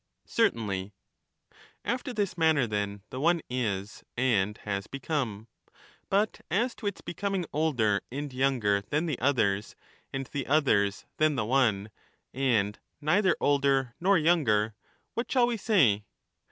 Certainly. After this manner then the one is and has become. But as to its becoming older and younger than the others, and the others than the one, and neither older nor younger, what shall we say